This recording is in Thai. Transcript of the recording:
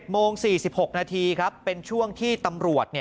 โมง๔๖นาทีครับเป็นช่วงที่ตำรวจ